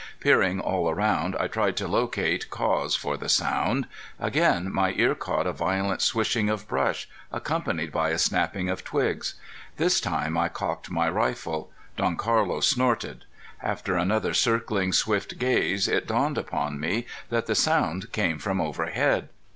Peering all around I tried to locate cause for the sound. Again my ear caught a violent swishing of brush accompanied by a snapping of twigs. This time I cocked my rifle. Don Carlos snorted. After another circling swift gaze it dawned upon me that the sound came from overhead.